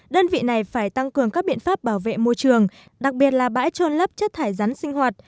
đơn vị này phải tăng cường các biện pháp bảo vệ môi trường đặc biệt là bãi trôn lấp chất thải rắn sinh hoạt